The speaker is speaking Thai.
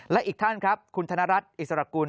และอีกท่านครับคุณธนรัฐอิสรกุล